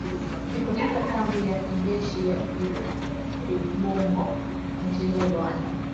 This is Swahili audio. Na kwamba kamanda wao ni Luteni Joseph Rurindo na Generali Eugene Nkubito, kutoka kambi ya kijeshi ya Kibungo nchini Rwanda